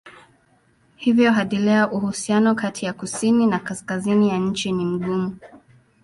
Hivyo hadi leo uhusiano kati ya kusini na kaskazini ya nchi ni mgumu.